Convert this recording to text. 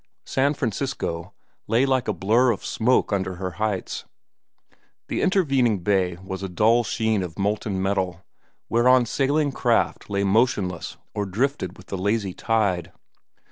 San Francisco lay like a blur of smoke upon her heights. The intervening bay was a dull sheen of molten metal, whereon sailing craft lay motionless or drifted with the lazy tide.